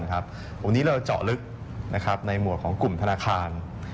ตรงนี้เราเจาะลึกในหมวดของกลุ่มธนาคาร